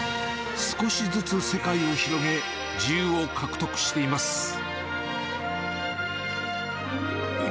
少しずつ世界を広げ、自由を獲得しています。